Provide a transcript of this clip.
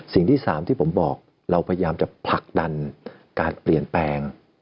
สิ่งที่๓ที่ผมบอกเราพยายามจะผลักดันการเปลี่ยนแปลง